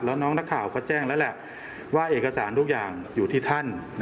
แล้วน้องนักข่าวเขาแจ้งแล้วแหละว่าเอกสารทุกอย่างอยู่ที่ท่าน